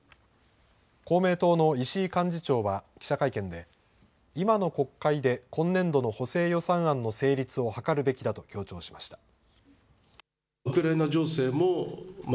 公明党の石井幹事長は記者会見で、今の国会で今年度の補正予算案の成立を図るべきだと強調しました。